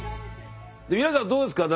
皆さんどうですか？